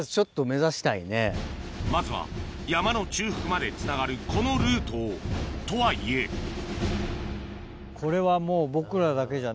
まずは山の中腹までつながるこのルートをとはいえ範疇超えてるからね。